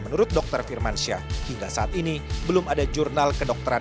menurut dokter firmansyah hingga saat ini belum ada jurnal kedokteran